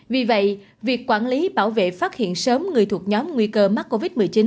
vì vậy việc quản lý bảo vệ phát hiện sớm người thuộc nhóm nguy cơ mắc covid một mươi chín